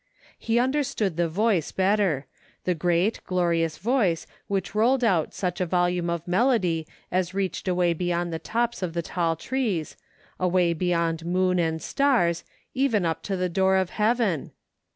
He under stood the voice better; the great glorious voice which rolled out such a volume of melody as reached away beyond the tops of the tall trees, away beyond moon and stars, even up to the door of heaven.